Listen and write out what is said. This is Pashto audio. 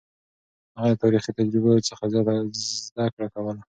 هغه د تاريخي تجربو څخه زده کړه کوله.